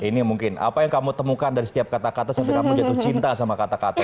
ini mungkin apa yang kamu temukan dari setiap kata kata sampai kamu jatuh cinta sama kata kata